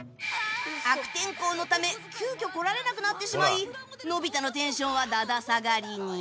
悪天候のため急きょ来られなくなってしまいのび太のテンションはだだ下がりに。